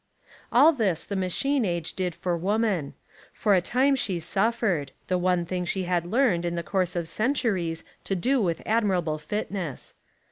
All this the machine age did for woman. For a time she suffered — the one thing she had learned, in the course of centuries, to do with admirable fitness.